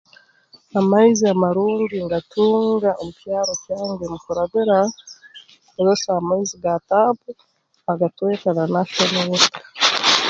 Amaizi amarungi ngatunga omu kyaro kyange mu kurabira kukozesa amaizi ga taapu aga tweta The National Water